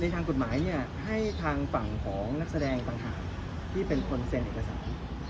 ทางกฎหมายให้ทางฝั่งของนักแสดงต่างหากที่เป็นคนเซ็นเอกสาร